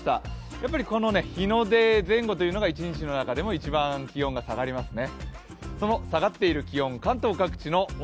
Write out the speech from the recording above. やっぱり日の出前後が一日の中でも一番気温が下がりますね。